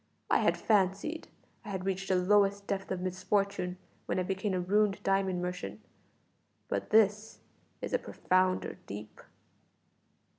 I had fancied I had reached the lowest depths of misfortune when I became a ruined diamond merchant, but this is a profounder deep."